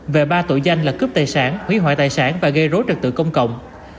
về ba tội danh là cướp tài sản hủy hoại tài sản và gây rối trật tự công cộng